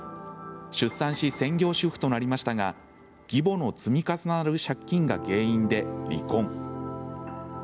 出産し、専業主婦となりましたが義母の積み重なる借金が原因で離婚。